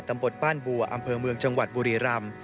ตำบลบ้านบัวอำเภอเมืองจังหวัดบุรีรำ